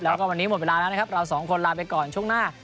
แล้วก็วันนี้หมดเวลาแล้วนะครับเราสองคนลาไปก่อนช่วงหน้า